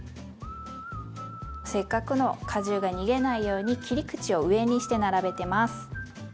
せっかくの果汁が逃げないように切り口を上にして並べてます。